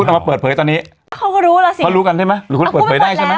เอามาเปิดเผยตอนนี้เขาก็รู้แล้วสิเขารู้กันใช่ไหมหรือคุณเปิดเผยได้ใช่ไหม